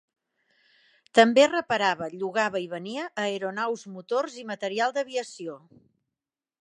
També reparava, llogava i venia aeronaus, motors i material d'aviació.